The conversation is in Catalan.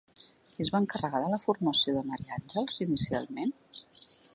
Qui es va encarregar de la formació de Maria Àngels inicialment?